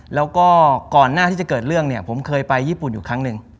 แล้วก็ก่อนหน้าที่จะเกิดเรื่องเนี่ยผมเคยไปญี่ปุ่นอยู่ครั้งหนึ่ง